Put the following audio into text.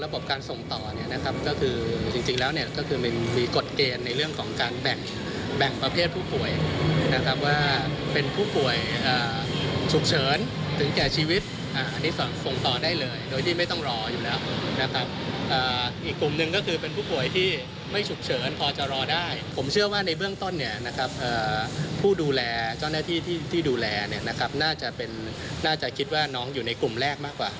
ผู้ดูแลเจ้าหน้าที่ที่ดูแลเนี่ยนะครับน่าจะเป็นน่าจะคิดว่าน้องอยู่ในกลุ่มแรกมากว่า